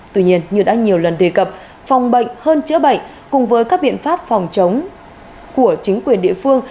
tuy nhiên như đã nhiều lần đề cập phòng bệnh hơn chữa bệnh cùng với các biện pháp phòng chống của chính quyền địa phương